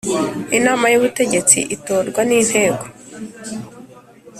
Inama y Ubutegetsi itorwa n Inteko